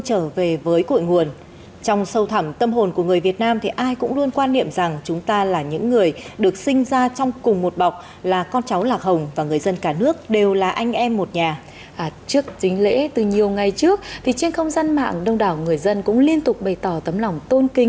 xin chào và hẹn gặp lại trong các bộ phim tiếp theo